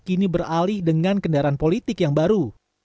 kini beralih dengan kendaraan politik yang baru